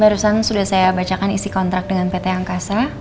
barusan sudah saya bacakan isi kontrak dengan pt angkasa